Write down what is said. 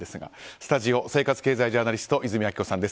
スタジオ生活ジャーナリスト和泉昭子さんです。